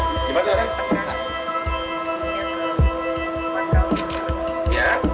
terus kepalanya dikini ibu ya